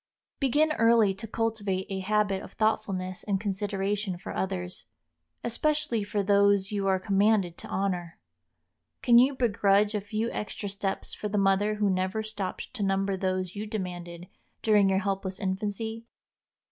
Begin early to cultivate a habit of thoughtfulness and consideration for others, especially for those you are commanded to honor. Can you begrudge a few extra steps for the mother who never stopped to number those you demanded during your helpless infancy?